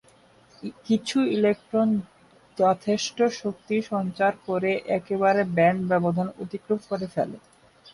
কিছু ইলেকট্রন যথেষ্ট শক্তি সঞ্চার করে একবারে ব্যান্ড ব্যবধান অতিক্রম করে ফেলে।